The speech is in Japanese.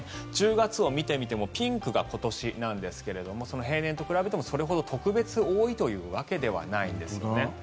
１０月を見てみてもピンクが今年なんですが平年と比べても特別多いというわけではないんですね。